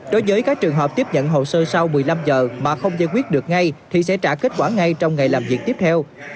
đối với các trường hợp tiếp nhận hồ sơ sau một mươi năm giờ mà không giải quyết được ngay thì sẽ trả kết quả ngay trong ngày làm việc tiếp theo